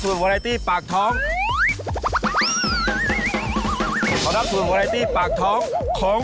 เจ็บที่ป้ายแดง